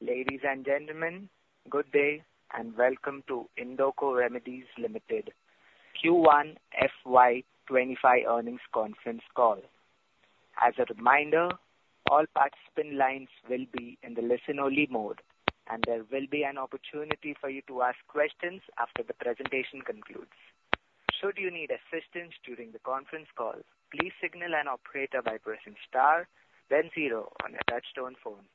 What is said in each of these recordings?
Ladies and gentlemen, good day and welcome to Indoco Remedies Limited Q1 FY 2025 Earnings Conference Call. As a reminder, all participant lines will be in the listen-only mode, and there will be an opportunity for you to ask questions after the presentation concludes. Should you need assistance during the conference call, please press star, then zero on your touch-tone phone.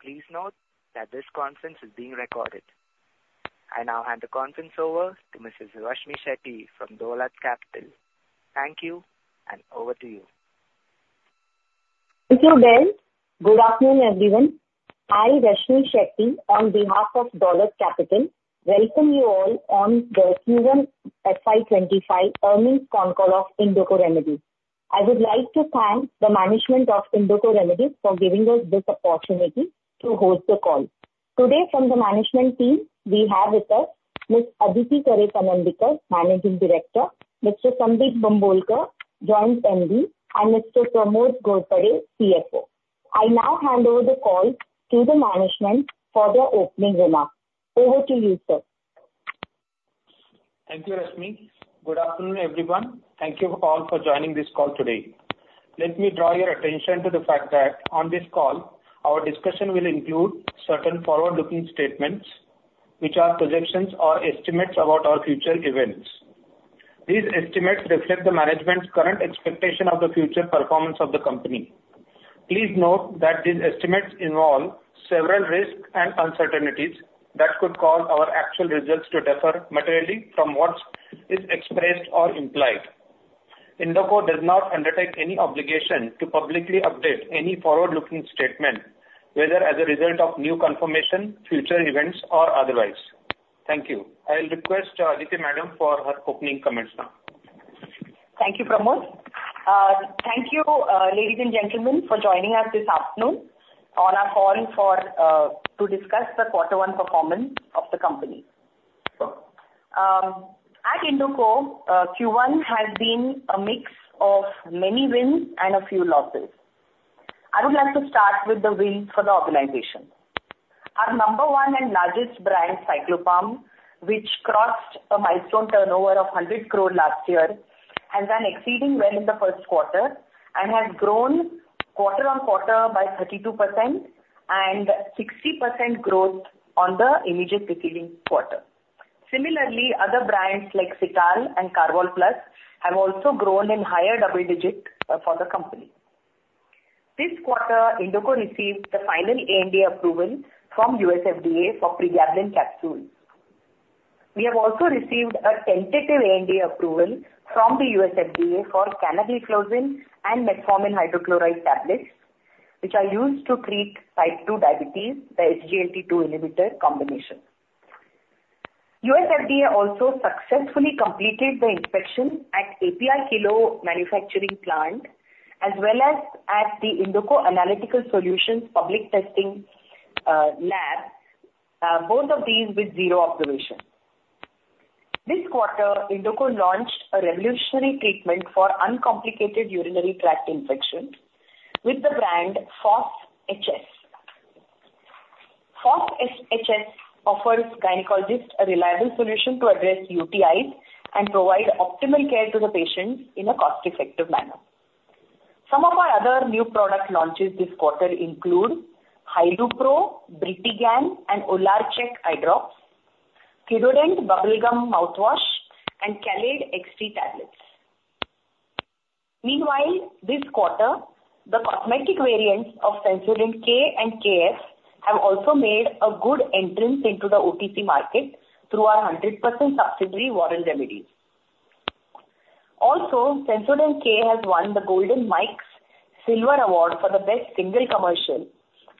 Please note that this conference is being recorded. I now hand the conference over to Ms. Rashmi Sancheti from Dolat Capital. Thank you, and over to you. Thank you, Ben. Good afternoon, everyone. I, Rashmi Sancheti, on behalf of Dolat Capital, welcome you all on the Q1 FY 2025 Earnings Con Call of Indoco Remedies. I would like to thank the management of Indoco Remedies for giving us this opportunity to host the call. Today, from the management team, we have with us Ms. Aditi Panandikar, Managing Director, Mr. Sundeep Bambolkar, Joint MD, and Mr. Pramod Ghorpade, CFO. I now hand over the call to the management for their opening remarks. Over to you, sir. Thank you, Rashmi. Good afternoon, everyone. Thank you all for joining this call today. Let me draw your attention to the fact that on this call, our discussion will include certain forward-looking statements, which are projections or estimates about our future events. These estimates reflect the management's current expectation of the future performance of the company. Please note that these estimates involve several risks and uncertainties that could cause our actual results to differ materially from what is expressed or implied. Indoco does not undertake any obligation to publicly update any forward-looking statement, whether as a result of new confirmation, future events, or otherwise. Thank you. I'll request Aditi Madam for her opening comments now. Thank you, Pramod. Thank you, ladies and gentlemen, for joining us this afternoon on our call to discuss the quarter-one performance of the company. At Indoco, Q1 has been a mix of many wins and a few losses. I would like to start with the wins for the organization. Our number one and largest brand, Cyclopam, which crossed a milestone turnover of 100 crore last year and then exceeding well in the 1st quarter, has grown quarter-on-quarter by 32% and 60% growth on the immediate preceding quarter. Similarly, other brands like Cital and Karvol Plus have also grown in higher double digits for the company. This quarter, Indoco received the final ANDA approval from USFDA for pregabalin capsules. We have also received a tentative ANDA approval from the USFDA for canagliflozin and metformin hydrochloride tablets, which are used to treat Type 2 diabetes, the SGLT2 inhibitor combination. USFDA also successfully completed the inspection at API Kilo manufacturing plant, as well as at the Indoco Analytical Solutions public testing lab, both of these with zero observation. This quarter, Indoco launched a revolutionary treatment for uncomplicated urinary tract infections with the brand FosHS. FosHS offers gynecologists a reliable solution to address UTIs and provide optimal care to the patient in a cost-effective manner. Some of our other new product launches this quarter include Hylupro, Brimigan, and Olarchek eye drops, Kidodent bubble gum mouthwash, and Calaid XT tablets. Meanwhile, this quarter, the cosmetic variants of Sensodent K and Sensodent KF have also made a good entrance into the OTC market through our 100% subsidiary Warren Remedies. Also, Sensodent K has won the Golden Mikes Silver Award for the best single commercial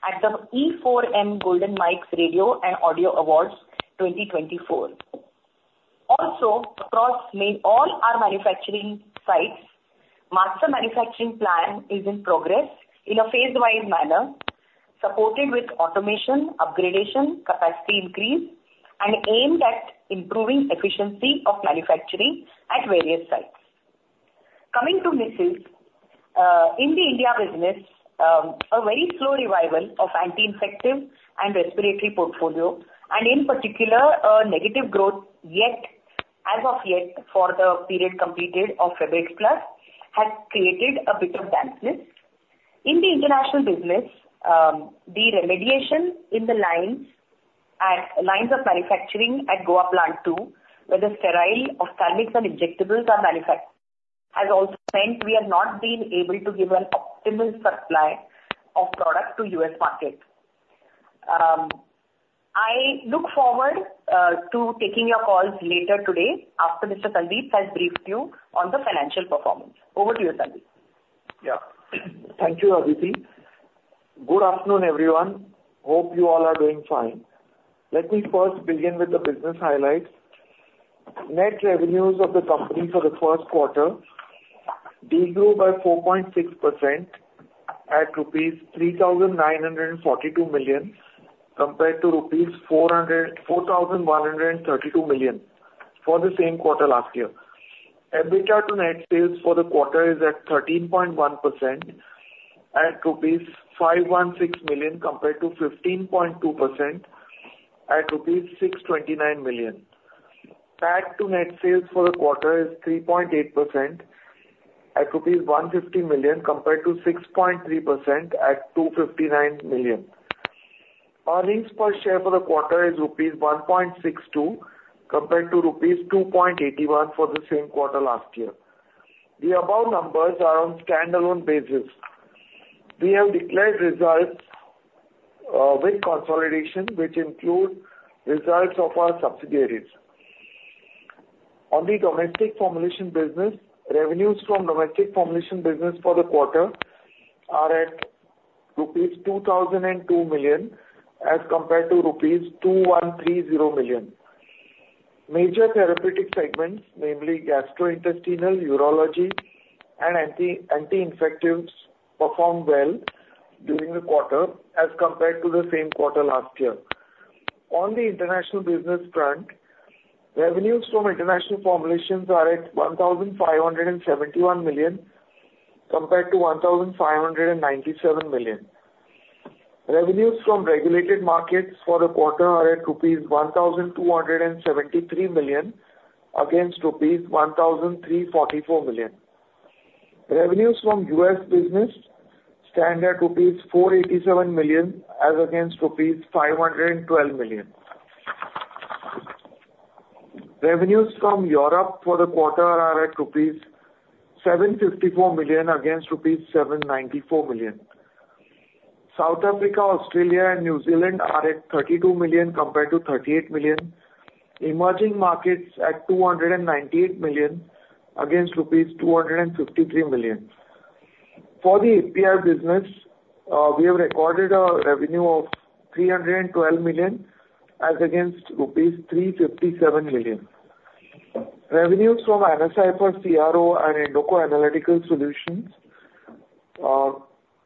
at the E4M Golden Mikes Radio and Audio Awards 2024. Also, across all our manufacturing sites, the master manufacturing plan is in progress in a phase-wise manner, supported with automation, upgradation, capacity increase, and aimed at improving efficiency of manufacturing at various sites. Coming to misses, in the India business, a very slow revival of the anti-infective and respiratory portfolio, and in particular, a negative growth yet as of yet for the period completed of Febrex Plus, has created a bit of dampness. In the international business, the remediation in the lines of manufacturing at Goa Plant 2, where the sterile ophthalmics and injectables are manufactured, has also meant we have not been able to give an optimal supply of product to the U.S. market. I look forward to taking your calls later today after Mr. Sundeep has briefed you on the financial performance. Over to you, Sundeep. Yeah. Thank you, Aditi. Good afternoon, everyone. Hope you all are doing fine. Let me first begin with the business highlights. Net revenues of the company for the 1st quarter did grow by 4.6% at rupees 3,942 million compared to rupees 4,132 million for the same quarter last year. EBITDA to net sales for the quarter is at 13.1% at INR 516 million compared to 15.2% at rupees 629 million. Add to net sales for the quarter is 3.8% at rupees 150 million compared to 6.3% at 259 million. Earnings per share for the quarter is rupees 1.62 compared to rupees 2.81 for the same quarter last year. The above numbers are on standalone basis. We have declared results with consolidation, which include results of our subsidiaries. On the domestic formulation business, revenues from domestic formulation business for the quarter are at rupees 2,002 million as compared to rupees 2,130 million. Major therapeutic segments, namely gastrointestinal, urology, and anti-infectives, performed well during the quarter as compared to the same quarter last year. On the international business front, revenues from international formulations are at 1,571 million compared to 1,597 million. Revenues from regulated markets for the quarter are at rupees 1,273 million against rupees 1,344 million. Revenues from U.S. business stand at INR 487 million as against rupees 512 million. Revenues from Europe for the quarter are at rupees 754 million against rupees 794 million. South Africa, Australia, and New Zealand are at 32 million compared to 38 million. Emerging markets at 298 million against rupees 253 million. For the API business, we have recorded a revenue of 312 million as against rupees 357 million. Revenues from AnaCipher for CRO and Indoco Analytical Solutions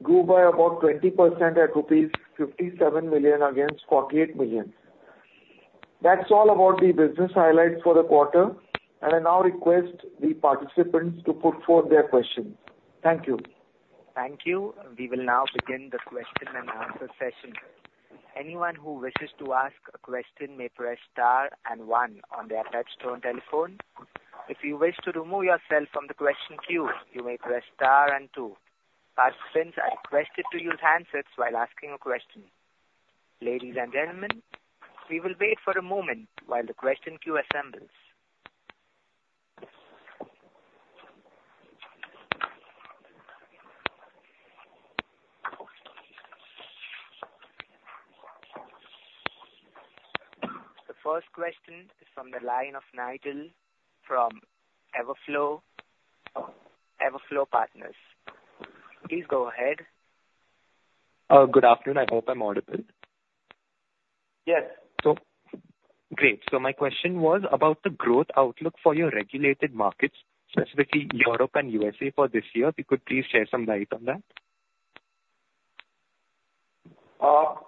grew by about 20% at rupees 57 million against 48 million. That's all about the business highlights for the quarter, and I now request the participants to put forth their questions. Thank you. Thank you. We will now begin the question and answer session. Anyone who wishes to ask a question may press star and one on the touch tone telephone telephone. If you wish to remove yourself from the question queue, you may press star and two. Participants are requested to use handsets while asking a question. Ladies and gentlemen, we will wait for a moment while the question queue assembles. The first question is from the line of Nigel from Everflow Partners. Please go ahead. Good afternoon. I hope I'm audible. Yes. Great. So my question was about the growth outlook for your regulated markets, specifically Europe and USA for this year. If you could please share some light on that?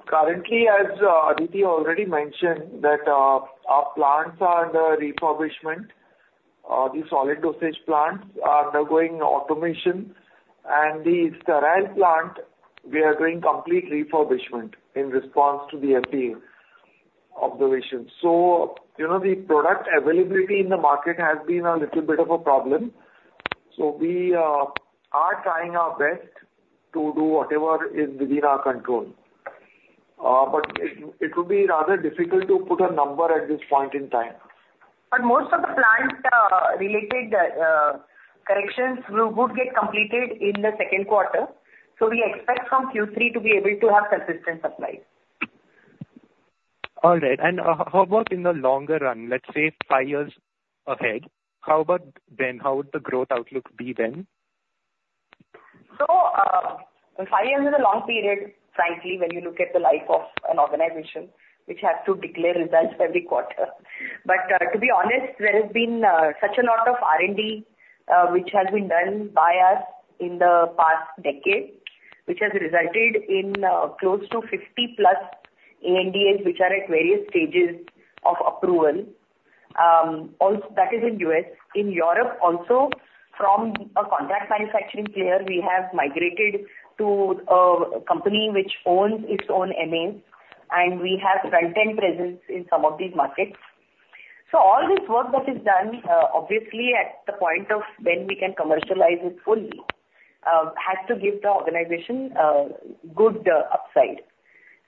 Currently, as Aditi already mentioned, our plants are under refurbishment. The solid dosage plants are undergoing automation, and the sterile plant, we are doing complete refurbishment in response to the FDA observations. So the product availability in the market has been a little bit of a problem. So we are trying our best to do whatever is within our control. But it would be rather difficult to put a number at this point in time. But most of the plant-related corrections would get completed in the 2nd quarter. So we expect from Q3 to be able to have consistent supply. All right. How about in the longer run, let's say five years ahead? How about then? How would the growth outlook be then? So 5 years is a long period, frankly, when you look at the life of an organization, which has to declare results every quarter. But to be honest, there has been such a lot of R&D, which has been done by us in the past decade, which has resulted in close to 50+ ANDAs, which are at various stages of approval. That is in U.S. In Europe also, from a contract manufacturing player, we have migrated to a company which owns its own MAs, and we have front-end presence in some of these markets. So all this work that is done, obviously, at the point of when we can commercialize it fully, has to give the organization good upside.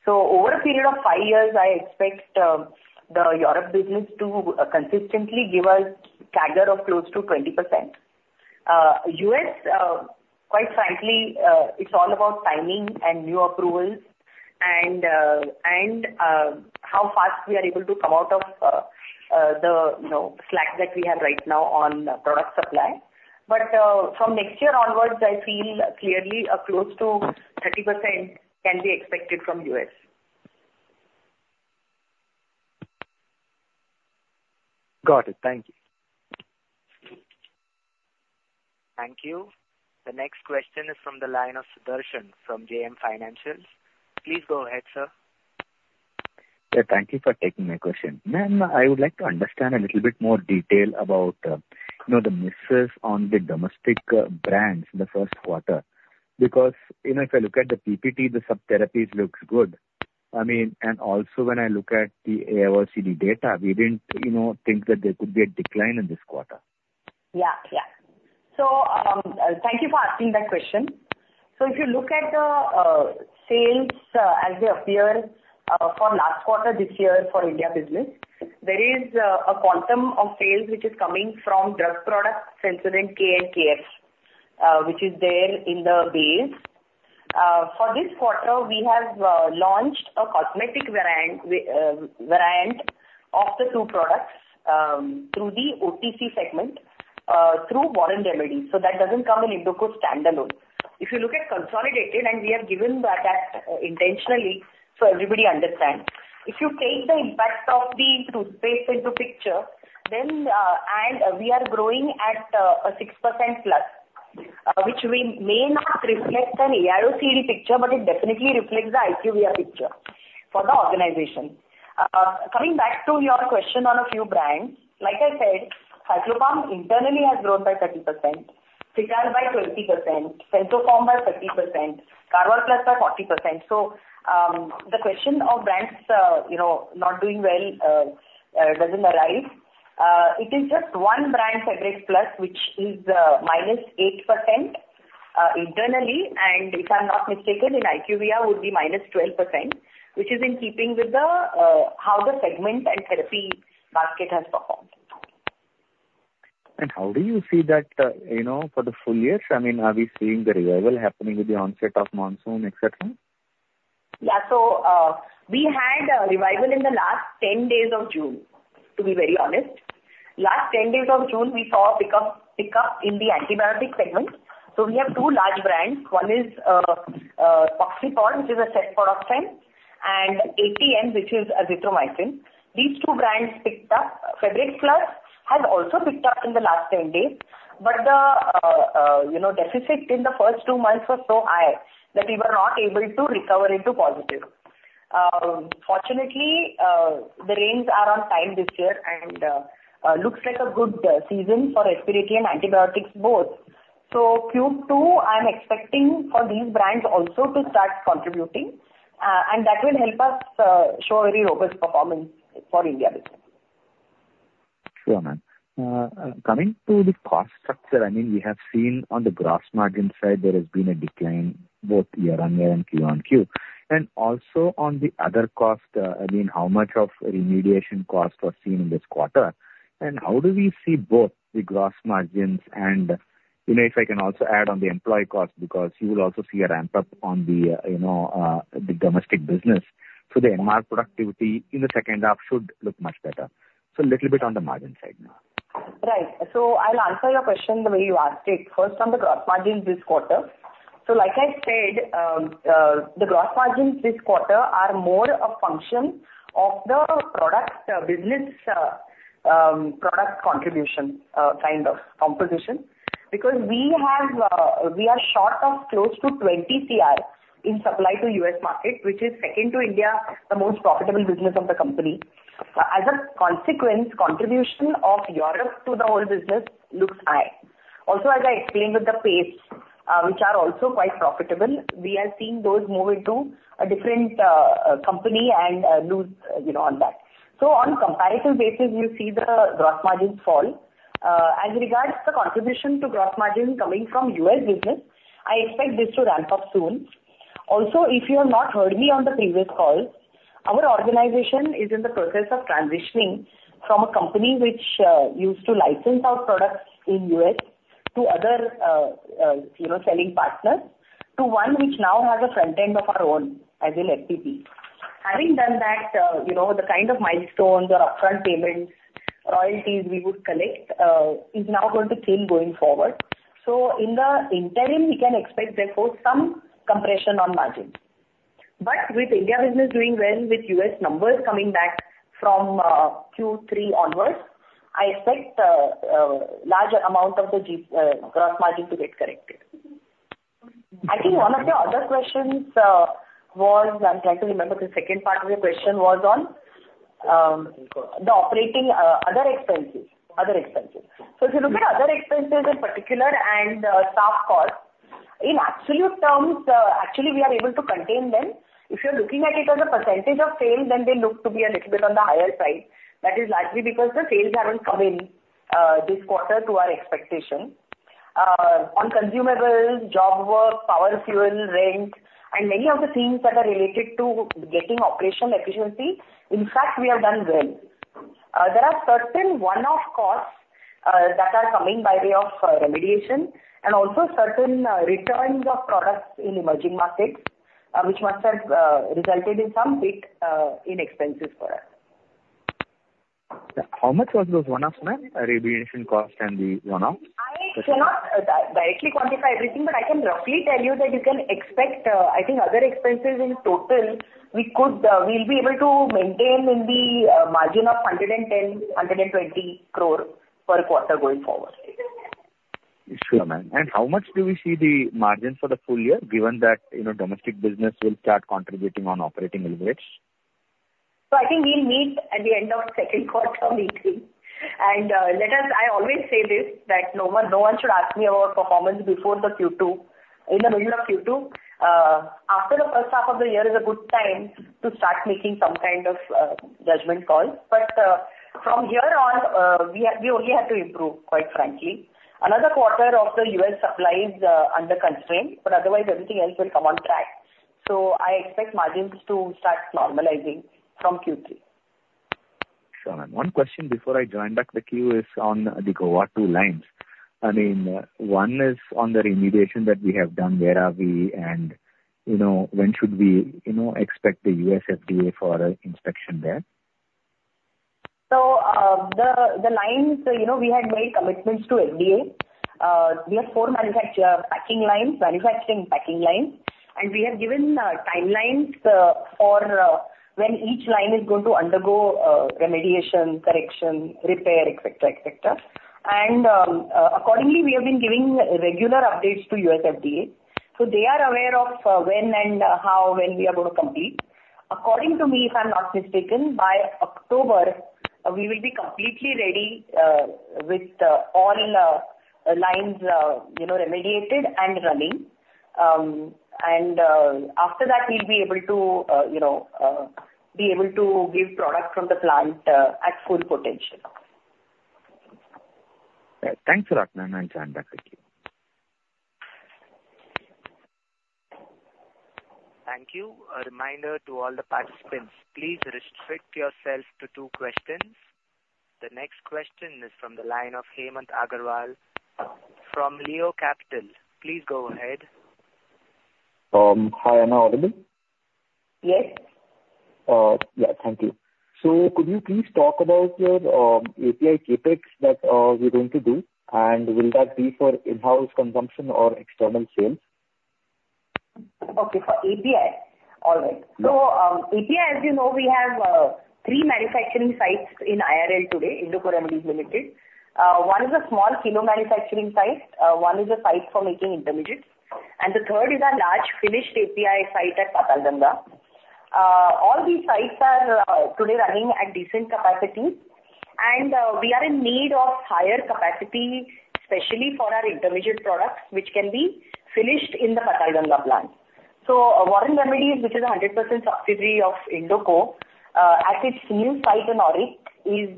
So over a period of 5 years, I expect the Europe business to consistently give us a CAGR of close to 20%. U.S., quite frankly, it's all about timing and new approvals and how fast we are able to come out of the slack that we have right now on product supply. But from next year onwards, I feel clearly close to 30% can be expected from U.S. Got it. Thank you. Thank you. The next question is from the line of Sudarshan from JM Financial. Please go ahead, sir. Yeah. Thank you for taking my question. I would like to understand a little bit more detail about the misses on the domestic brands in the 1st quarter. Because if I look at the PPT, the subtherapies look good. I mean, and also when I look at the AIOCD data, we didn't think that there could be a decline in this quarter. Yeah. Yeah. So thank you for asking that question. So if you look at the sales as they appear for last quarter this year for India business, there is a quantum of sales which is coming from drug products, Sensodent K and Sensodent KF, which is there in the base. For this quarter, we have launched a cosmetic variant of the two products through the OTC segment through Warren Remedies. So that doesn't come in Indoco standalone. If you look at consolidated, and we have given that intentionally so everybody understands. If you take the impact of the toothpaste into picture, then we are growing at 6%+, which may not reflect an AIOCD picture, but it definitely reflects the IQVIA picture for the organization. Coming back to your question on a few brands, like I said, Cyclopam internally has grown by 30%, Cital by 20%, Sensoform by 30%, Karvol Plus by 40%. So the question of brands not doing well doesn't arise. It is just one brand, Febrex Plus, which is -8% internally. And if I'm not mistaken, in IQVIA, it would be -12%, which is in keeping with how the segment and therapy market has performed. How do you see that for the full year? I mean, are we seeing the revival happening with the onset of monsoon, etc.? Yeah. So we had a revival in the last 10 days of June, to be very honest. Last 10 days of June, we saw a pickup in the antibiotic segment. So we have two large brands. One is Oxipod, which is a cephalosporin, and ATM, which is azithromycin. These two brands picked up. Febrex Plus has also picked up in the last 10 days. But the deficit in the first two months was so high that we were not able to recover into positive. Fortunately, the rains are on time this year, and it looks like a good season for respiratory and antibiotics both. So Q2, I'm expecting for these brands also to start contributing. And that will help us show a very robust performance for India business. Sure. Coming to the cost structure, I mean, we have seen on the gross margin side, there has been a decline both year-on-year and QoQ. And also on the other cost, I mean, how much of remediation cost was seen in this quarter? And how do we see both the gross margins and if I can also add on the employee cost, because you will also see a ramp-up on the domestic business. So the MR productivity in the 2nd half should look much better. So a little bit on the margin side now. Right. So I'll answer your question the way you asked it. First, on the gross margins this quarter. So like I said, the gross margins this quarter are more a function of the business product contribution kind of composition. Because we are short of close to 20 crore in supply to U.S. market, which is second to India, the most profitable business of the company. As a consequence, contribution of Europe to the whole business looks high. Also, as I explained with the pastes, which are also quite profitable, we are seeing those move into a different company and lose on that. So on a comparative basis, you see the gross margins fall. As regards to the contribution to gross margins coming from U.S. business, I expect this to ramp up soon. Also, if you have not heard me on the previous call, our organization is in the process of transitioning from a company which used to license our products in U.S. to other selling partners to one which now has a front end of our own as an FEP. Having done that, the kind of milestones or upfront payments, royalties we would collect is now going to change going forward. So in the interim, we can expect therefore some compression on margins. But with India business doing well, with U.S. numbers coming back from Q3 onwards, I expect a larger amount of the gross margin to get corrected. I think one of the other questions was. I'm trying to remember the second part of the question was on the operating other expenses. So if you look at other expenses in particular and staff costs, in absolute terms, actually, we are able to contain them. If you're looking at it as a percentage of sales, then they look to be a little bit on the higher side. That is largely because the sales haven't come in this quarter to our expectation. On consumables, job work, power fuel, rent, and many of the things that are related to getting operational efficiency, in fact, we have done well. There are certain one-off costs that are coming by way of remediation and also certain returns of products in emerging markets, which must have resulted in some big expenses for us. How much was those one-offs, ma'am? Remediation cost and the one-off? I cannot directly quantify everything, but I can roughly tell you that you can expect, I think, other expenses in total, we'll be able to maintain in the margin of 110 crore-120 crore for a quarter going forward. Sure, ma'am. And how much do we see the margin for the full year, given that domestic business will start contributing on operating leverage? So I think we'll meet at the end of 2nd quarter weekly. And I always say this, that no one should ask me about performance before the Q2, in the middle of Q2. After the 1st half of the year is a good time to start making some kind of judgment call. But from here on, we only have to improve, quite frankly. Another quarter of the U.S. supply is under constraint, but otherwise, everything else will come on track. So I expect margins to start normalizing from Q3. Sure. And one question before I join back the queue is on the Goa 2 lines. I mean, one is on the remediation that we have done, where are we, and when should we expect the U.S. FDA for inspection there? So, the lines—we had made commitments to the FDA. We have 4 packing lines, manufacturing packing lines. We have given timelines for when each line is going to undergo remediation, correction, repair, etc., etc. And accordingly, we have been giving regular updates to the U.S. FDA. So they are aware of when and how we are going to complete. According to me, if I'm not mistaken, by October, we will be completely ready with all lines remediated and running. And after that, we'll be able to be able to give product from the plant at full potential. Thanks a lot, ma'am, and join back the queue. Thank you. A reminder to all the participants, please restrict yourselves to two questions. The next question is from the line of Hemant Agarwal from Leo Capital. Please go ahead. Hi, am I audible? Yes. Yeah. Thank you. So could you please talk about your API CapEx that we're going to do? And will that be for in-house consumption or external sales? Okay. For API, all right. So API, as you know, we have three manufacturing sites in IRL today, Indoco Remedies Limited. One is a small kilo manufacturing site. One is a site for making intermediates. And the third is a large finished API site at Patalganga. All these sites are today running at decent capacity. And we are in need of higher capacity, especially for our intermediate products, which can be finished in the Patalganga plant. So Warren Remedies, which is a 100% subsidiary of Indoco, at its new site in AURIC, is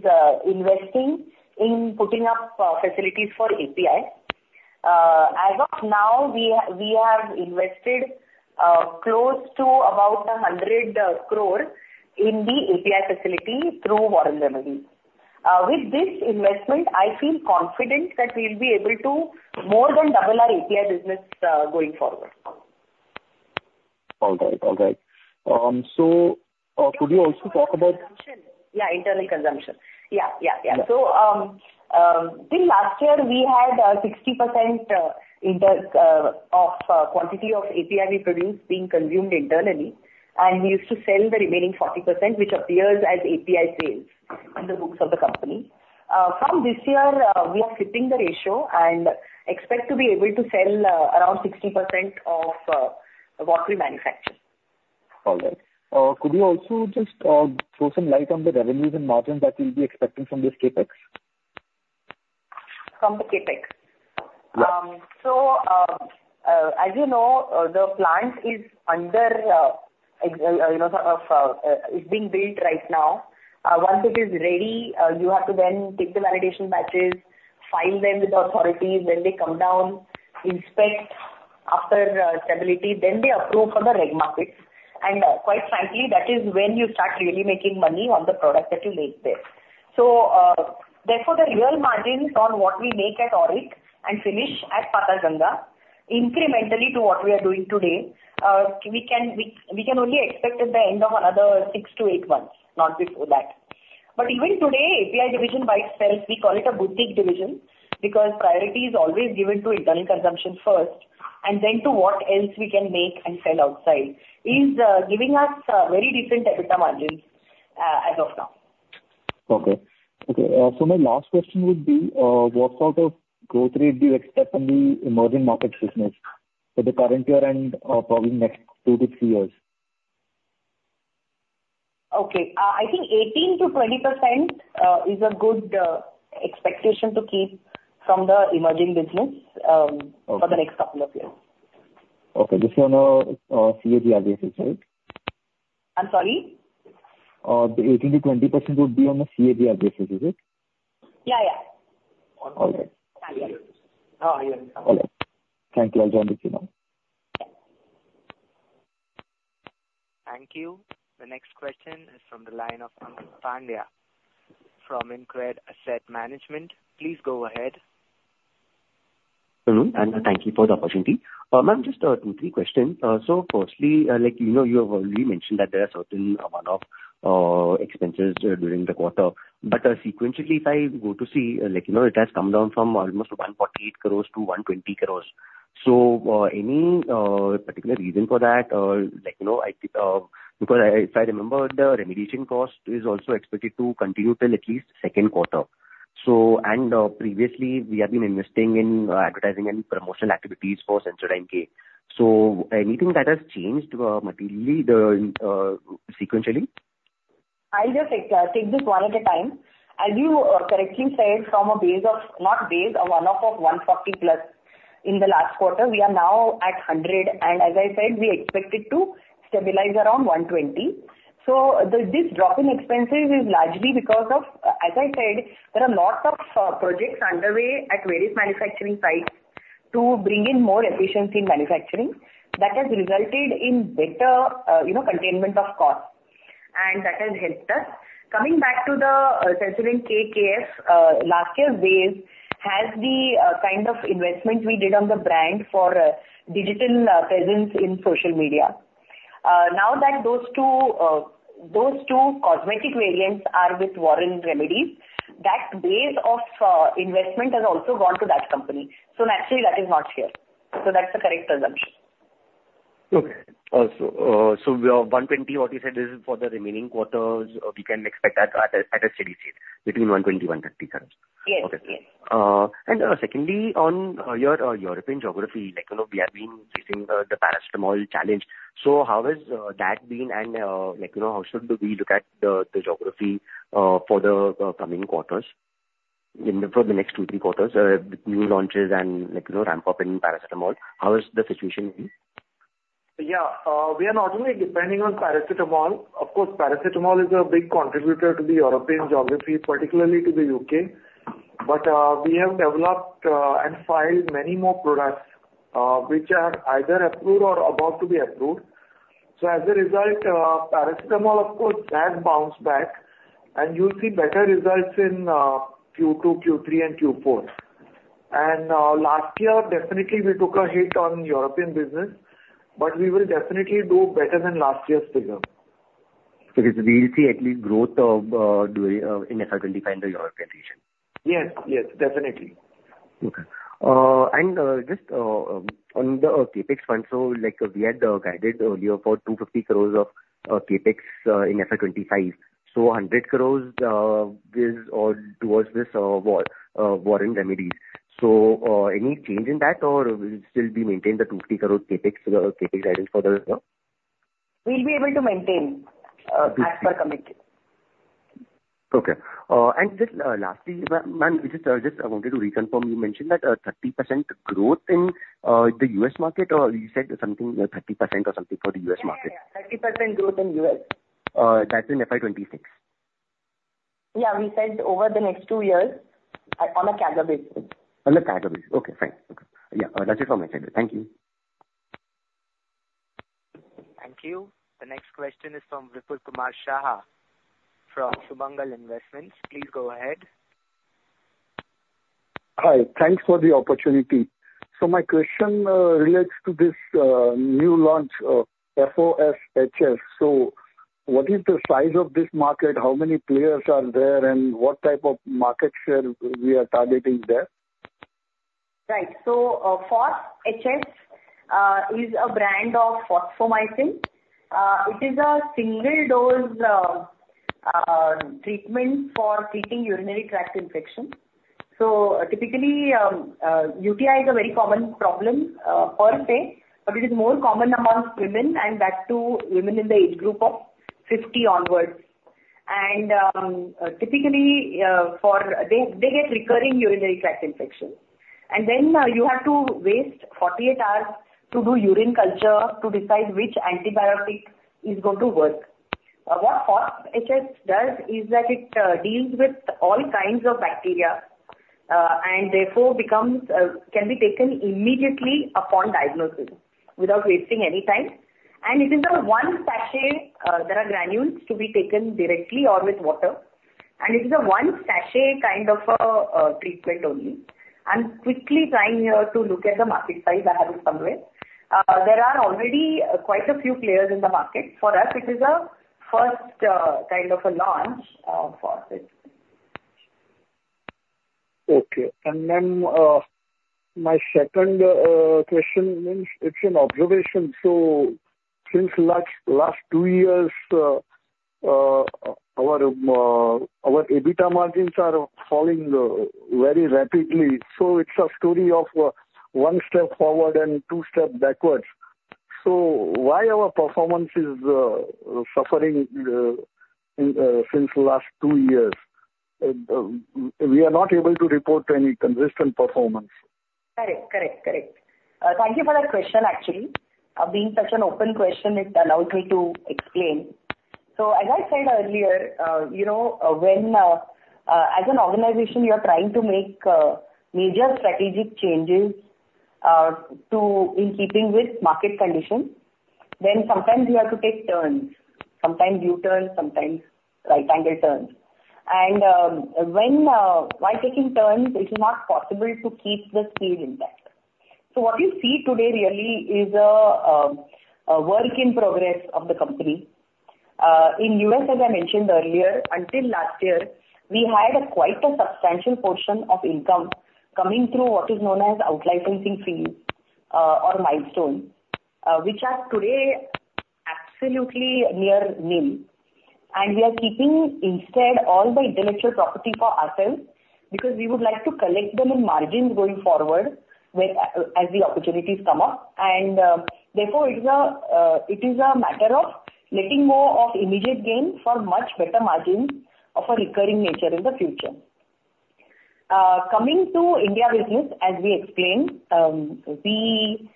investing in putting up facilities for API. As of now, we have invested close to about 100 crore in the API facility through Warren Remedies. With this investment, I feel co`nfident that we'll be able to more than double our API business going forward. All right. All right. So could you also talk about? Internal consumption. Yeah. Internal consumption. Yeah. Yeah. Yeah. So till last year, we had 60% of quantity of API we produce being consumed internally. And we used to sell the remaining 40%, which appears as API sales in the books of the company. From this year, we are flipping the ratio and expect to be able to sell around 60% of what we manufacture. All right. Could you also just throw some light on the revenues and margins that we'll be expecting from this CapEx? From the CapEx? Yeah. So as you know, the plant is under sort of being built right now. Once it is ready, you have to then take the validation batches, file them with the authorities, then they come down, inspect after stability, then they approve for the reg markets. And quite frankly, that is when you start really making money on the product that you laid there. So therefore, the real margins on what we make at AURIC and finish at Patalganga, incrementally to what we are doing today, we can only expect at the end of another 6-8 months, not before that. But even today, API division by itself, we call it a boutique division because priority is always given to internal consumption first and then to what else we can make and sell outside, is giving us very decent EBITDA margins as of now. Okay. Okay. So my last question would be, what sort of growth rate do you expect in the emerging market business for the current year and probably next two to three years? Okay. I think 18%-20% is a good expectation to keep from the emerging business for the next couple of years. Okay. This is on a CAGR basis, right? I'm sorry? The 18%-20% would be on a CAGR basis, is it? Yeah. Yeah. All right. All right. Thank you. I'll join the queue now. Thank you. The next question is from the line of Ankeet Pandya from InCred Asset Management. Please go ahead. Hello, and thank you for the opportunity. Ma'am, just two, three questions. So firstly, you have already mentioned that there are certain one-off expenses during the quarter. But sequentially, if I go to see, it has come down from almost 148 crore-120 crore. So any particular reason for that? Because if I remember, the remediation cost is also expected to continue till at least 2nd quarter. And previously, we have been investing in advertising and promotional activities for Sensodent K. So anything that has changed materially sequentially? I'll just take this one at a time. As you correctly said, from a base of not base, a one-off of 140+ in the last quarter, we are now at 100. And as I said, we expect it to stabilize around 120. So this drop in expenses is largely because of, as I said, there are lots of projects underway at various manufacturing sites to bring in more efficiency in manufacturing. That has resulted in better containment of cost. And that has helped us. Coming back to the Sensodent K and Sensodent KF, last year's base has the kind of investment we did on the brand for digital presence in social media. Now that those two cosmetic variants are with Warren Remedies, that base of investment has also gone to that company. So naturally, that is not here. So that's the correct assumption. Okay. So 120, what you said, this is for the remaining quarters, we can expect that at a steady state between 120 and 130 correct? Yes. Yes. Okay. And secondly, on your European geography, we have been facing the paracetamol challenge. So how has that been? And how should we look at the geography for the coming quarters, for the next 2, 3 quarters, with new launches and ramp-up in paracetamol? How has the situation been? Yeah. We are not only depending on paracetamol. Of course, paracetamol is a big contributor to the European geography, particularly to the U.K. But we have developed and filed many more products which are either approved or about to be approved. So as a result, paracetamol, of course, has bounced back. And you'll see better results in Q2, Q3, and Q4. And last year, definitely, we took a hit on European business, but we will definitely do better than last year's figure. So we'll see at least growth in FY 2025 in the European region? Yes. Yes. Definitely. Okay. Just on the CapEx fund, we had guided earlier for 250 crore of CapEx in FY 2025. 100 crore is towards this Warren Remedies. Any change in that, or will it still be maintained, the 250 crore CapEx guidance for the result? We'll be able to maintain as per commitment. Okay. Just lastly, ma'am, just wanted to reconfirm. You mentioned that 30% growth in the U.S. market, or you said something 30% or something for the U.S. market? Yeah. 30% growth in U.S. That's in FY 2026? Yeah. We said over the next two years on a CAGR basis. On the CAGR basis. Okay. Fine. Okay. Yeah. That's it from my side. Thank you. Thank you. The next question is from Vipul Kumar Shah from Sumangal Investments. Please go ahead. Hi. Thanks for the opportunity. So my question relates to this new launch FosHS. So what is the size of this market? How many players are there, and what type of market share we are targeting there? Right. So FosHS is a brand of fosfomycin. It is a single-dose treatment for treating urinary tract infection. So typically, UTI is a very common problem per se, but it is more common among women and back to women in the age group of 50 onwards. And typically, they get recurring urinary tract infections. And then you have to waste 48 hours to do urine culture to decide which antibiotic is going to work. What FosHS does is that it deals with all kinds of bacteria and therefore can be taken immediately upon diagnosis without wasting any time. And it is a one sachet; there are granules to be taken directly or with water. And it is a one sachet kind of a treatment only. I'm quickly trying here to look at the market size ahead of somewhere. There are already quite a few players in the market. For us, it is a first kind of a launch for us. Okay. And then my second question means it's an observation. So since last two years, our EBITDA margins are falling very rapidly. So it's a story of one step forward and two steps backwards. So why are our performances suffering since the last two years? We are not able to report any consistent performance. Correct. Correct. Correct. Thank you for that question, actually. Being such an open question, it allows me to explain. So as I said earlier, as an organization, we are trying to make major strategic changes in keeping with market conditions. Then sometimes we have to take turns. Sometimes U-turns, sometimes right-angle turns. And while taking turns, it is not possible to keep the speed intact. So what you see today really is a work in progress of the company. In U.S., as I mentioned earlier, until last year, we had quite a substantial portion of income coming through what is known as outlicensing fees or milestones, which are today absolutely near nil. And we are keeping instead all the intellectual property for ourselves because we would like to collect them in margins going forward as the opportunities come up. And therefore, it is a matter of letting go of immediate gain for much better margins of a recurring nature in the future. Coming to India business, as we explained, we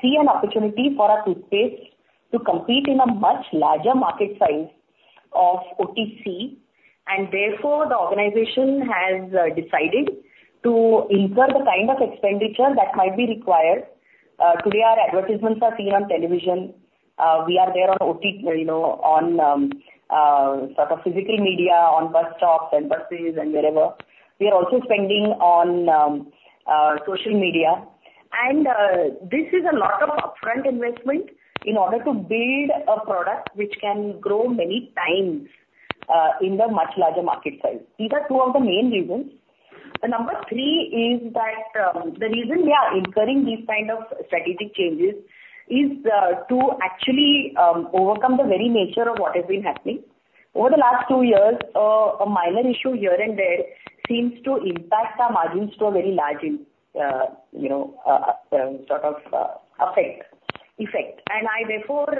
see an opportunity for a toothpaste to compete in a much larger market size of OTC. And therefore, the organization has decided to incur the kind of expenditure that might be required. Today, our advertisements are seen on television. We are there on sort of physical media, on bus stops and buses and wherever. We are also spending on social media. And this is a lot of upfront investment in order to build a product which can grow many times in the much larger market size. These are two of the main reasons. The number three is that the reason we are incurring these kinds of strategic changes is to actually overcome the very nature of what has been happening. Over the last two years, a minor issue here and there seems to impact our margins to a very large sort of effect. And therefore,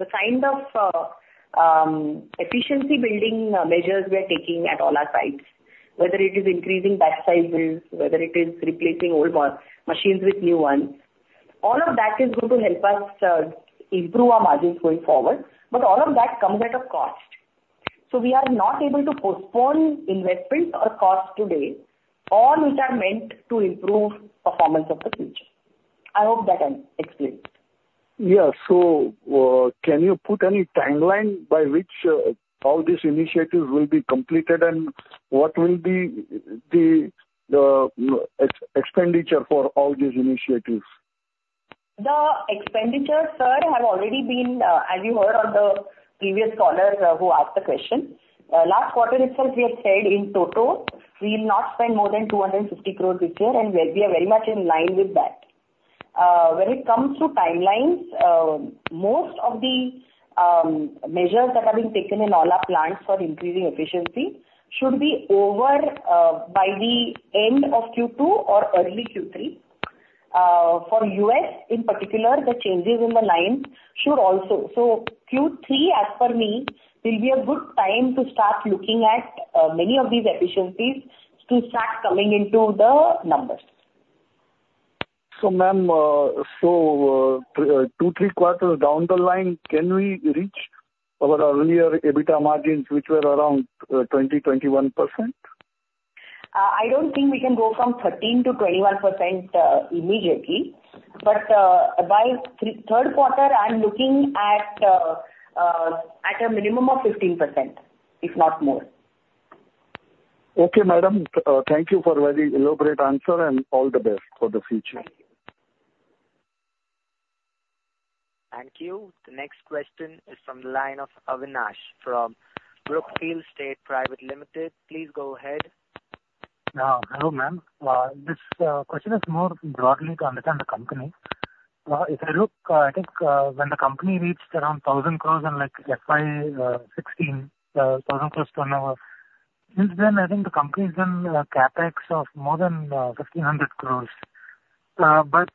the kind of efficiency-building measures we are taking at all our sites, whether it is increasing batch sizes, whether it is replacing old machines with new ones, all of that is going to help us improve our margins going forward. But all of that comes at a cost. So we are not able to postpone investments or costs today, all which are meant to improve performance of the future. I hope that I've explained. Yeah. So can you put any timeline by which all these initiatives will be completed and what will be the expenditure for all these initiatives? The expenditures, sir, have already been, as you heard on the previous caller who asked the question, last quarter itself, we have said in total, we will not spend more than 250 crore this year, and we are very much in line with that. When it comes to timelines, most of the measures that have been taken in all our plans for increasing efficiency should be over by the end of Q2 or early Q3. For U.S., in particular, the changes in the lines should also. So Q3, as per me, will be a good time to start looking at many of these efficiencies to start coming into the numbers. So ma'am, so 2-3 quarters down the line, can we reach our earlier EBITDA margins, which were around 20%-21%? I don't think we can go from 13%-21% immediately. But by 3rd quarter, I'm looking at a minimum of 15%, if not more. Okay, madam. Thank you for a very elaborate answer and all the best for the future. Thank you. The next question is from the line of Avinash from Brookfield State Private Limited. Please go ahead. Hello, ma'am. This question is more broadly to understand the company. If I look, I think when the company reached around 1,000 crore in FY 2016, 1,000 crore turnover, since then, I think the company has done CapEx of more than 1,500 crore. But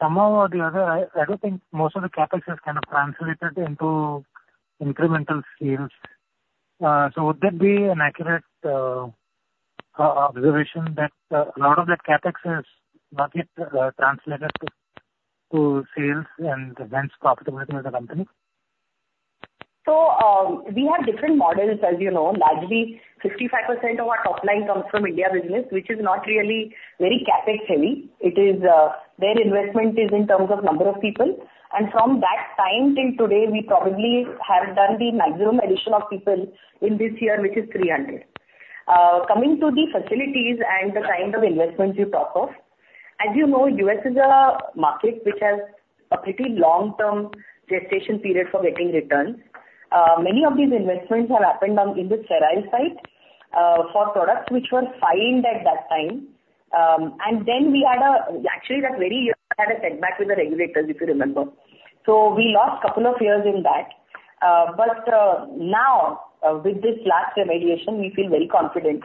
somehow or the other, I don't think most of the CapEx has kind of translated into incremental sales. So would that be an accurate observation that a lot of that CapEx is not yet translated to sales and hence profitability of the company? So we have different models, as you know. Largely, 55% of our top line comes from India business, which is not really very CapEx-heavy. Their investment is in terms of number of people. And from that time till today, we probably have done the maximum addition of people in this year, which is 300. Coming to the facilities and the kind of investments you talk of, as you know, U.S. is a market which has a pretty long-term gestation period for getting returns. Many of these investments have happened in the sterile site for products which were filed at that time. And then we had, actually, that very year had a setback with the regulators, if you remember. So we lost a couple of years in that. But now, with this last remediation, we feel very confident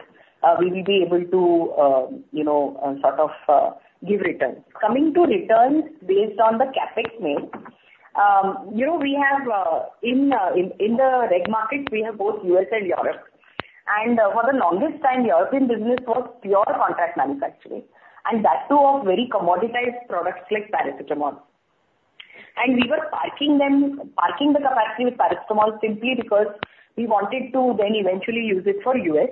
we will be able to sort of give returns. Coming to returns based on the CapEx made, we have in the reg market, we have both U.S. and Europe. For the longest time, European business was pure contract manufacturing. That too of very commoditized products like paracetamol. We were parking the capacity with paracetamol simply because we wanted to then eventually use it for U.S.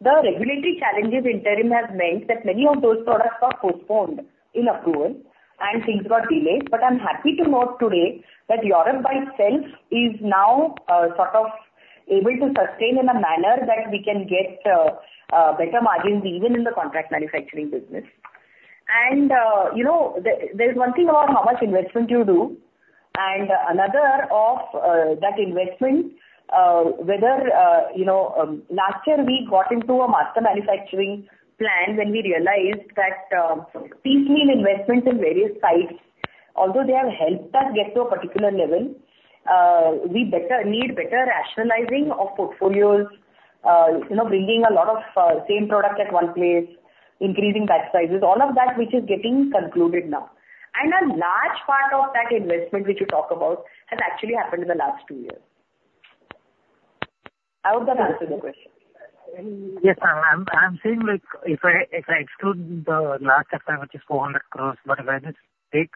The regulatory challenges in the interim have meant that many of those products were postponed in approval and things got delayed. But I'm happy to note today that Europe by itself is now sort of able to sustain in a manner that we can get better margins even in the contract manufacturing business. There's one thing about how much investment you do, and another of that investment, whether last year we got into a master manufacturing plan when we realized that these mean investments in various sites, although they have helped us get to a particular level, we need better rationalizing of portfolios, bringing a lot of same product at one place, increasing batch sizes, all of that which is getting concluded now. A large part of that investment which you talk about has actually happened in the last two years. I hope that answers your question. Yes, ma'am. I'm saying if I exclude the last sector, which is 400 crore, but if I just take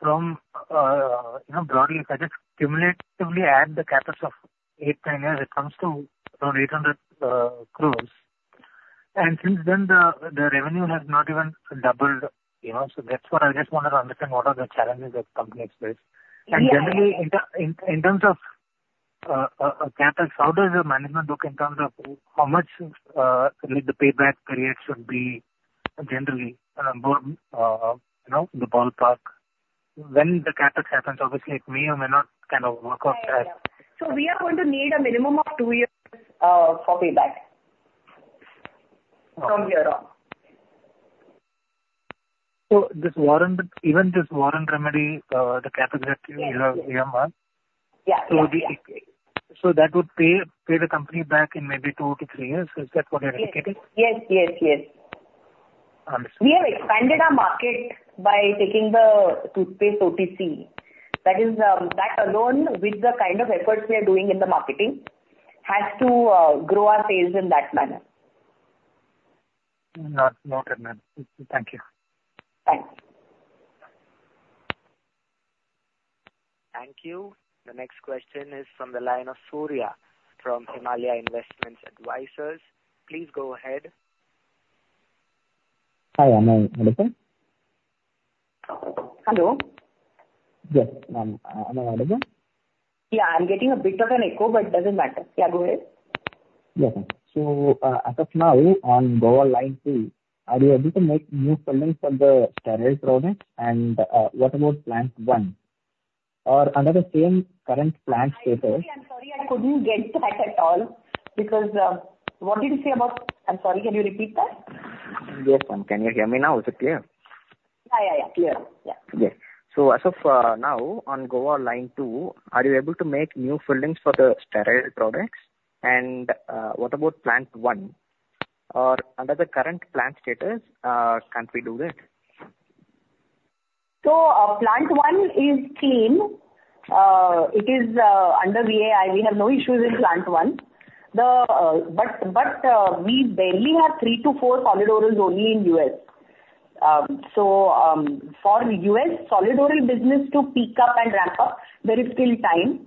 from broadly, if I just cumulatively add the CapEx of eight, 10 years, it comes to around 800 crore. And since then, the revenue has not even doubled. So that's what I just wanted to understand what are the challenges that the company experiences. And generally, in terms of CapEx, how does the management look in terms of how much the payback period should be generally in the ballpark? When the CapEx happens, obviously, it may or may not kind of work out. We are going to need a minimum of two years for payback from here on. So even this Warren Remedies, the CapEx that you have, so that would pay the company back in maybe 2-3 years. Is that what you're indicating? Yes. Yes. Yes. Understood. We have expanded our market by taking the toothpaste OTC. That alone, with the kind of efforts we are doing in the marketing, has to grow our sales in that manner. Noted, ma'am. Thank you. Thanks. Thank you. The next question is from the line of Surya from Himalaya Investments Advisors. Please go ahead. Hi, am I audible? Hello? Yes, ma'am. Am I audible? Yeah, I'm getting a bit of an echo, but it doesn't matter. Yeah, go ahead. Yes, ma'am. So as of now, on Goa Plant 2, are you able to make new funding for the sterile products? And what about Plant 1? Or under the same current plant approval? Actually, I'm sorry, I couldn't get that at all because what did you say about? I'm sorry, can you repeat that? Yes, ma'am. Can you hear me now? Is it clear? Yeah. Yeah. Yeah. Clear. Yeah. Yes. So as of now, on Goa Line 2, are you able to make new filings for the sterile products? And what about Plant 1? Or under the current plant status, can't we do that? Plant 1 is clean. It is under VAI. We have no issues in Plant 1. But we barely have 3-4 solid orals only in U.S. For U.S. solid oral business to pick up and ramp up, there is still time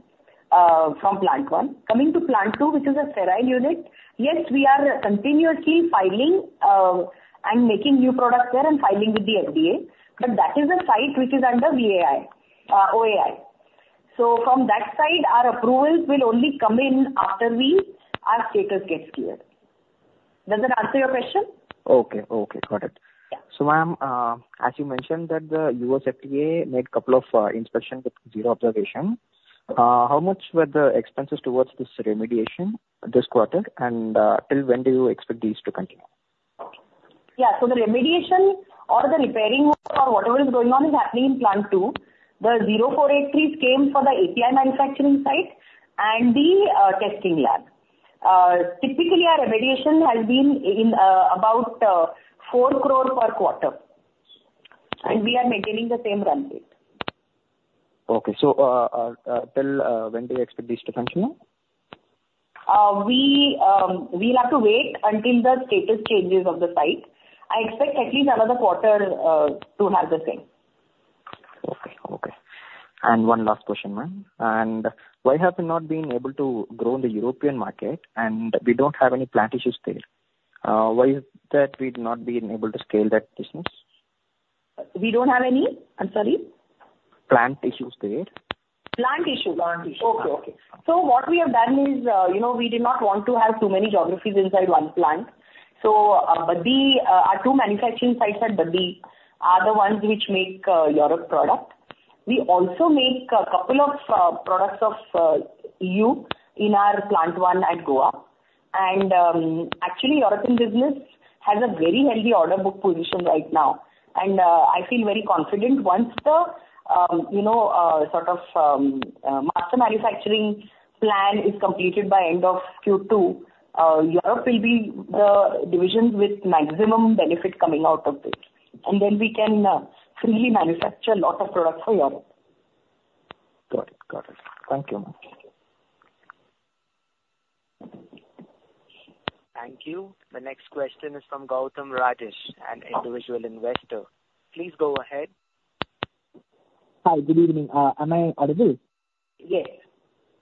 from Plant 1. Coming to Plant 2, which is a sterile unit, yes, we are continuously filing and making new products there and filing with the FDA. But that is a site which is under VAI, OAI. From that side, our approvals will only come in after our status gets cleared. Does that answer your question? Okay. Okay. Got it. So ma'am, as you mentioned that the U.S. FDA made a couple of inspections with zero observation, how much were the expenses towards this remediation this quarter? And till when do you expect these to continue? Yeah. So the remediation or the repairing or whatever is going on is happening in Plant 2. The 483s came for the API manufacturing site and the testing lab. Typically, our remediation has been about 4 crores per quarter. We are maintaining the same run rate. Okay. So till when do you expect these to function now? We'll have to wait until the status changes of the site. I expect at least another quarter to have the same. Okay. Okay. And one last question, ma'am. And why have you not been able to grow in the European market and we don't have any plant issues there? Why is that we've not been able to scale that business? We don't have any? I'm sorry? Plant issues there? Plant issues. Plant issues. Okay. Okay. So what we have done is we did not want to have too many geographies inside one plant. So our two manufacturing sites at Baddi are the ones which make European product. We also make a couple of products of EU in our Plant 1 at Goa. And actually, European business has a very healthy order book position right now. And I feel very confident once the sort of master manufacturing plan is completed by end of Q2, Europe will be the division with maximum benefit coming out of it. And then we can freely manufacture a lot of products for Europe. Got it. Got it. Thank you, ma'am. Thank you. The next question is from Gautam Rajesh, an individual investor. Please go ahead. Hi. Good evening. Am I audible? Yes.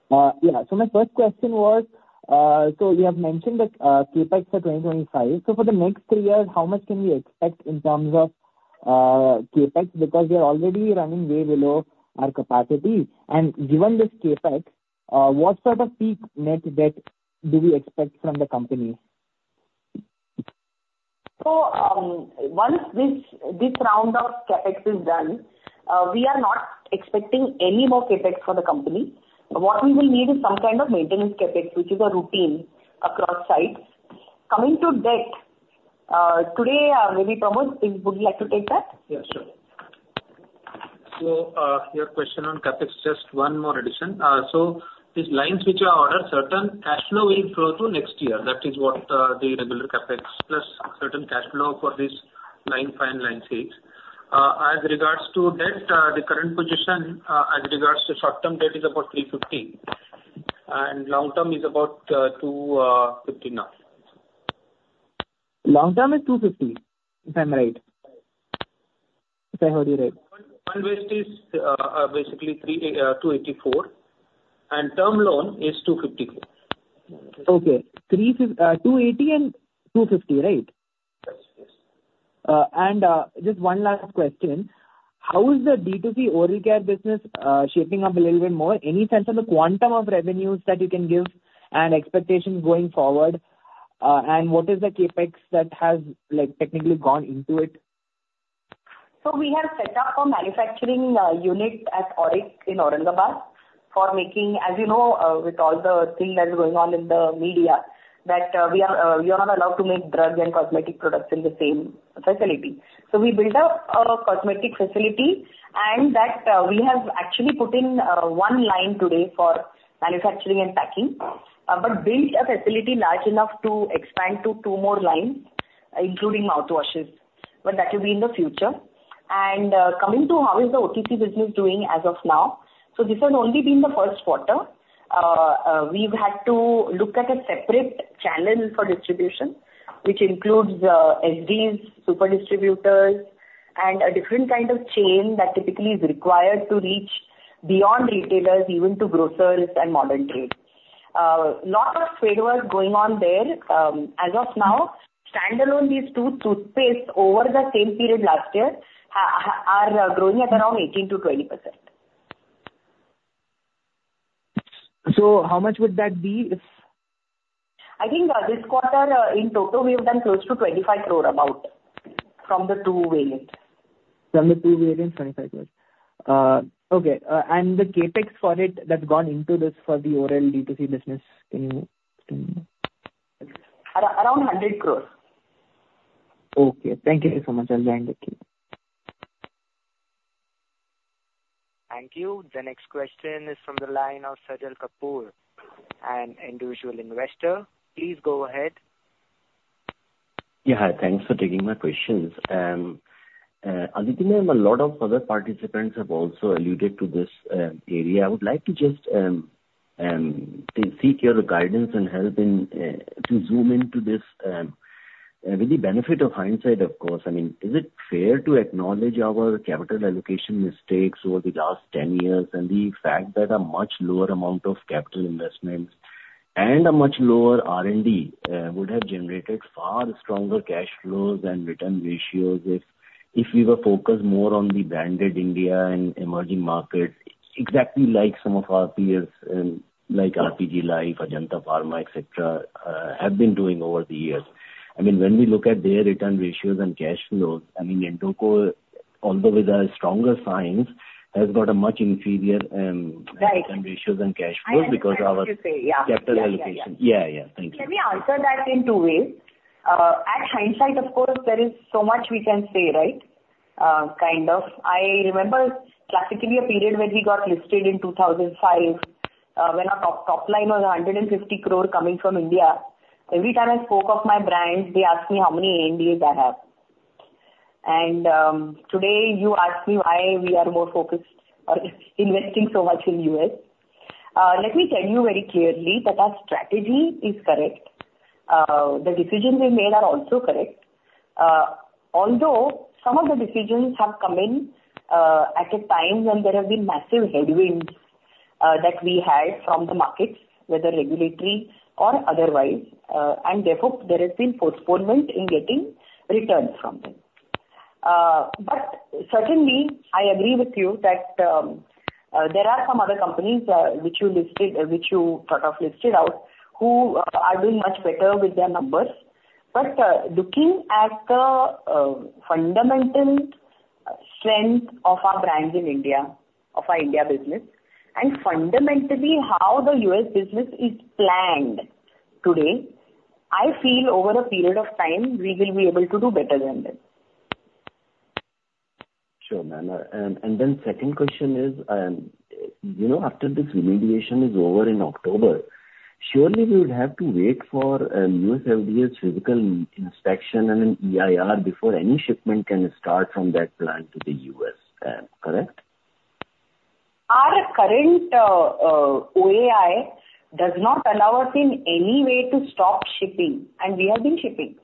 Yeah. So my first question was, so you have mentioned the CapEx for 2025. So for the next three years, how much can we expect in terms of CapEx? Because we are already running way below our capacity. And given this CapEx, what sort of peak net debt do we expect from the company? So once this round of CapEx is done, we are not expecting any more CapEx for the company. What we will need is some kind of maintenance CapEx, which is a routine across sites. Coming to debt, today, maybe Pramod would like to take that? Yeah, sure. So your question on CapEx, just one more addition. So these lines which are ordered, certain cash flow will flow to next year. That is what the regular CapEx plus certain cash flow for this line fine line says. As regards to debt, the current position as regards to short-term debt is about 350. And long-term is about 250 now. Long-term is 250, if I'm right? If I heard you right. Net debt is basically 284. Term loan is 254. Okay. 280 and 250, right? Yes. Yes. Just one last question. How is the D2C oral care business shaping up a little bit more? Any sense on the quantum of revenues that you can give and expectations going forward? What is the CapEx that has technically gone into it? So we have set up a manufacturing unit at AURIC in Aurangabad for making, as you know, with all the things that are going on in the media, that we are not allowed to make drugs and cosmetic products in the same facility. So we built up a cosmetic facility. And we have actually put in one line today for manufacturing and packing, but built a facility large enough to expand to two more lines, including mouthwashes. But that will be in the future. And coming to how is the OTC business doing as of now, so this has only been the 1st quarter. We've had to look at a separate channel for distribution, which includes SDs, super distributors, and a different kind of chain that typically is required to reach beyond retailers, even to grocers and modern trade. A lot of spadework going on there. As of now, standalone, these two toothpastes over the same period last year are growing at around 18%-20%. So how much would that be if? I think this quarter, in total, we have done close to 25 crore from the two variants. From the two variants, 25 crore. Okay. And the CapEx for it that's gone into this for the oral D2C business, can you explain? Around 100 crore. Okay. Thank you so much. I'll join the team. Thank you. The next question is from the line of Sajal Kapoor and individual investor. Please go ahead. Yeah. Thanks for taking my questions. Aditi, a lot of other participants have also alluded to this area. I would like to just seek your guidance and help to zoom into this with the benefit of hindsight, of course. I mean, is it fair to acknowledge our capital allocation mistakes over the last 10 years and the fact that a much lower amount of capital investments and a much lower R&D would have generated far stronger cash flows and return ratios if we were focused more on the branded India and emerging markets, exactly like some of our peers like RPG Life Sciences, Ajanta Pharma, etc., have been doing over the years? I mean, when we look at their return ratios and cash flows, I mean, Indoco, although with a stronger science, has got a much inferior return ratios and cash flows because our capital allocation. Right. I see. Yeah. Yeah. Yeah. Thank you. Let me answer that in two ways. In hindsight, of course, there is so much we can say, right? Kind of. I remember classically a period when we got listed in 2005 when our top line was 150 crore coming from India. Every time I spoke of my brand, they asked me how many ANDAs I have. And today, you ask me why we are more focused or investing so much in the U.S. Let me tell you very clearly that our strategy is correct. The decisions we made are also correct. Although some of the decisions have come in at a time when there have been massive headwinds that we had from the markets, whether regulatory or otherwise. And therefore, there has been postponement in getting returns from them. But certainly, I agree with you that there are some other companies which you thought of listed out who are doing much better with their numbers. But looking at the fundamental strength of our brands in India, of our India business, and fundamentally how the U.S. business is planned today, I feel over a period of time, we will be able to do better than this. Sure, ma'am. And then second question is, after this remediation is over in October, surely we would have to wait for U.S. FDA's physical inspection and an EIR before any shipment can start from that plant to the U.S., correct? Our current OAI does not allow us in any way to stop shipping. We have been shipping.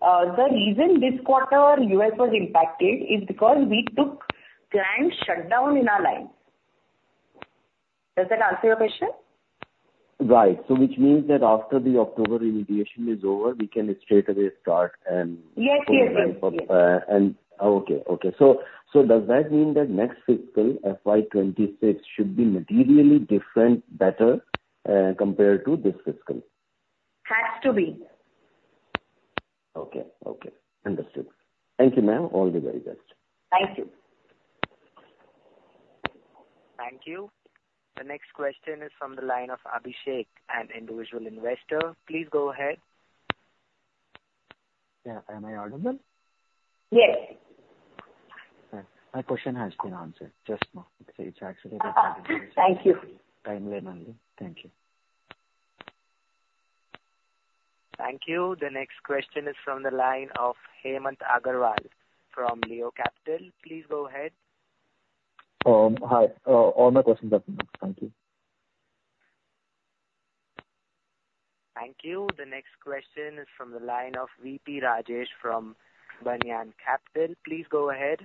The reason this quarter U.S. was impacted is because we took planned shutdown in our lines. Does that answer your question? Right. So which means that after the October remediation is over, we can straight away start and. Yes. Yes. Yes. Okay. Okay. So does that mean that next fiscal FY 2026 should be materially different, better compared to this fiscal? Has to be. Okay. Okay. Understood. Thank you, ma'am. All the very best. Thank you. Thank you. The next question is from the line of Abhishek and individual investor. Please go ahead. Yeah. Am I audible? Yes. My question has been answered. Just now. It's actually that. Thank you. Timely and only. Thank you. Thank you. The next question is from the line of Hemant Agarwal from Leo Capital. Please go ahead. Hi. All my questions are fine. Thank you. Thank you. The next question is from the line of V.P. Rajesh from Banyan Capital. Please go ahead.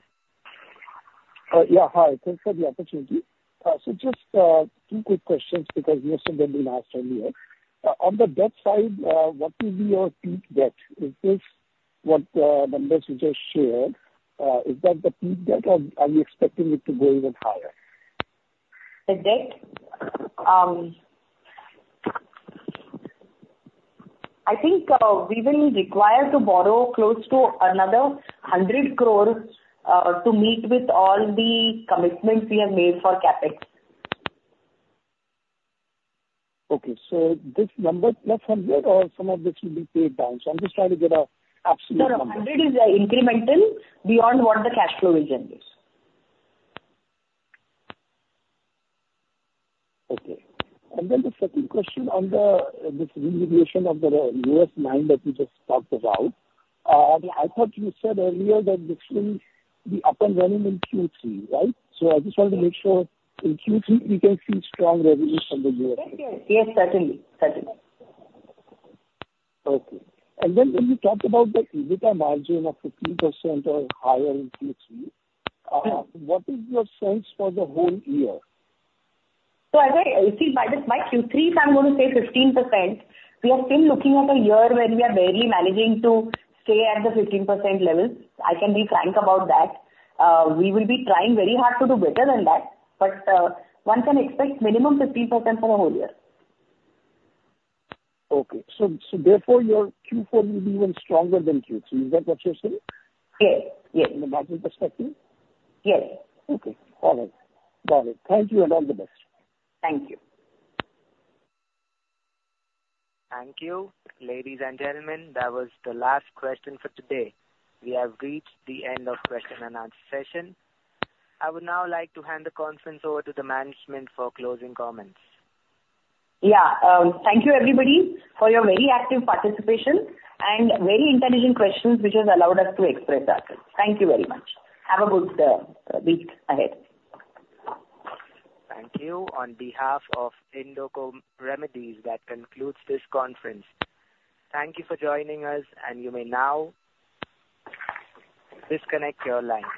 Yeah. Hi. Thanks for the opportunity. So just two quick questions because most of them have been asked earlier. On the debt side, what will be your peak debt? Is this what the numbers you just shared? Is that the peak debt, or are we expecting it to go even higher? The debt? I think we will require to borrow close to another 100 crore to meet with all the commitments we have made for CapEx. Okay. So this number plus 100, or some of this will be paid down? So I'm just trying to get an absolute number. No. 100 is incremental beyond what the cash flow is in this. Okay. And then the second question on the remediation of the U.S. line that you just talked about, I thought you said earlier that this will be up and running in Q3, right? So I just wanted to make sure in Q3, we can see strong revenues from the U.S. side. Yes. Yes. Certainly. Certainly. Okay. And then when you talked about the EBITDA margin of 15% or higher in Q3, what is your sense for the whole year? I see by Q3, if I'm going to say 15%, we are still looking at a year when we are barely managing to stay at the 15% level. I can be frank about that. We will be trying very hard to do better than that. But one can expect minimum 15% for the whole year. Okay. So therefore, your Q4 will be even stronger than Q3. Is that what you're saying? Yes. Yes. From a management perspective? Yes. Okay. All right. Got it. Thank you. And all the best. Thank you. Thank you. Ladies and gentlemen, that was the last question for today. We have reached the end of question and answer session. I would now like to hand the conference over to the management for closing comments. Yeah. Thank you, everybody, for your very active participation and very intelligent questions, which has allowed us to express ourselves. Thank you very much. Have a good week ahead. Thank you. On behalf of Indoco Remedies, that concludes this conference. Thank you for joining us, and you may now disconnect your line.